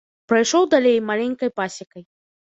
Прайшоў далей маленькай пасекай.